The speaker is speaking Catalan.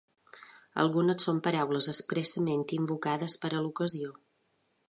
Algunes són paraules expressament invocades per a l'ocasió.